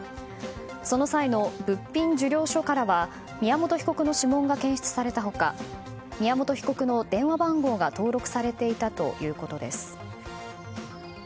その際の物品受領書からは宮本被告の指紋が検出された他宮本被告の電話番号が登録されていたということです。